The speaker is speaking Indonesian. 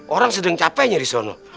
orang sedang capeknya disono